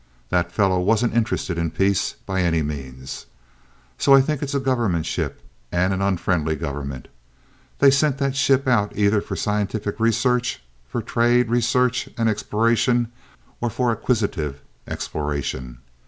That fellow wasn't interested in peace, by any means. So I think it's a government ship, and an unfriendly government. They sent that ship out either for scientific research, for trade research and exploration, or for acquisitive exploration.